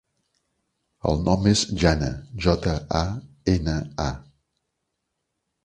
El nom és Jana: jota, a, ena, a.